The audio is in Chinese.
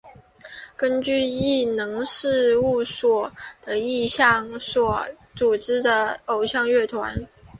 根据艺能事务所的意向所组成的偶像乐团。